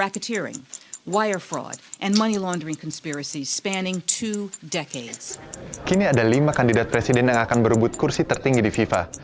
kini ada lima kandidat presiden yang akan berebut kursi tertinggi di fifa